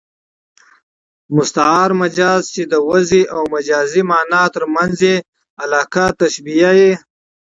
مستعار مجاز، چي د وضعي او مجازي مانا تر منځ ئې علاقه تشبېه يي.